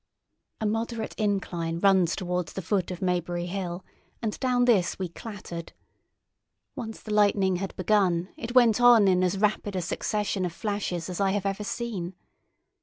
A moderate incline runs towards the foot of Maybury Hill, and down this we clattered. Once the lightning had begun, it went on in as rapid a succession of flashes as I have ever seen.